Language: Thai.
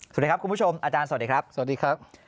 สวัสดีครับคุณผู้ชมสวัสดีครับ